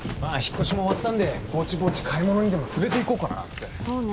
まあ引っ越しも終わったんでぼちぼち買い物にでも連れていこうかなって。